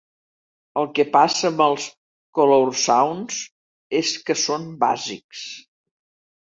El que passa amb els Coloursounds és que són bàsics.